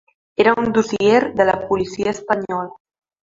Era un dossier de la policia espanyola.